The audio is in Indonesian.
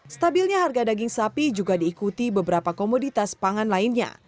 stabilnya harga daging sapi juga diikuti beberapa komoditas pangan lainnya